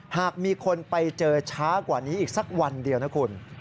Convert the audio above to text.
หากมีคนไปเจอช้ากว่านี้อีกสักวันเดียวนะคุณ